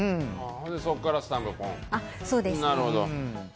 そこからスタンプ、ポン？